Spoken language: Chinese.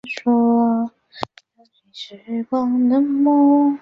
火星全球探勘者号在该撞击坑底部发现暗色的沙丘地形。